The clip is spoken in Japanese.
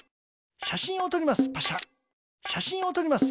しゃしんをとります。